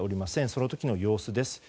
その時の様子です。